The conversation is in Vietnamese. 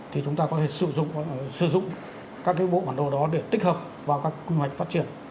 thì chúng ta có thể sử dụng các cái bộ bản đồ đó để tích hợp vào các kinh hoạch phát triển